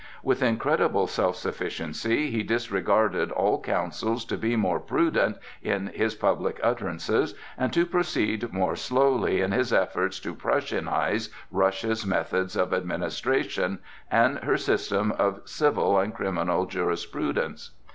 With incredible self sufficiency he disregarded all counsels to be more prudent in his public utterances and to proceed more slowly in his efforts to Prussianize Russia's methods of administration and her system of civil and criminal jurisprudence.